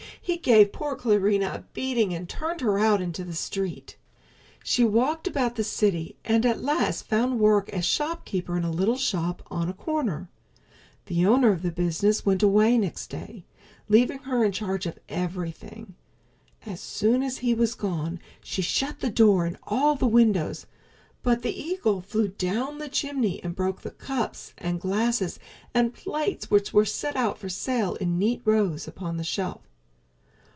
He gave poor Clarinha a beating and turned her out into the street. She walked about the city and at last found work as shopkeeper in a little shop on a corner. The owner of the business went away next day, leaving her in charge of everything. As soon as he was gone she shut the door and all the windows, but the eagle flew down the chimney and broke the cups and glasses and plates which were set out for sale in neat rows upon the shelf.